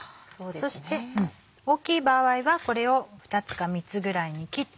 そして大っきい場合はこれを２つか３つぐらいに切って。